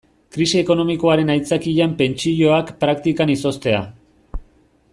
Krisi ekonomikoaren aitzakian pentsioak praktikan izoztea.